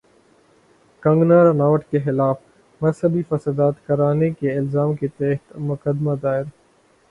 کنگنا رناوٹ کے خلاف مذہبی فسادات کرانے کے الزام کے تحت مقدمہ دائر